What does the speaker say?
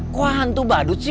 kok hantu badut sih